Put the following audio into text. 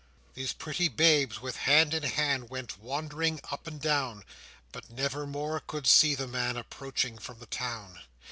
These pretty babes, with hand in hand, Went wandering up and down; But never more could see the man Approaching from the town.